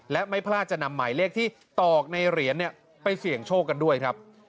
และไม่พลาดจะนำหมายเลขที่ตอกในเหรียญไปเสี่ยงโชคกันด้วยครับ